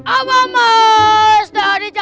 apa mas dodi jangan ditinggal